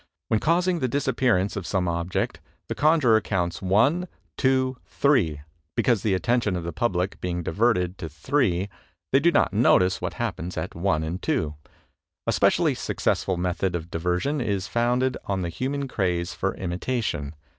When causing the disappearance of some object, the conjurer counts one, two, three, because, the attention of the public being diverted to three, they do not notice what happens at one and two. ... A specially successful method of diversion is founded on the human craze for imitation